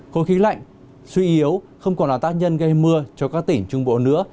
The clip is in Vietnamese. khối khí lạnh suy yếu không còn là tác nhân gây mưa cho các tỉnh trung bộ nữa